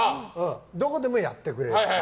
どこでもやってくれる。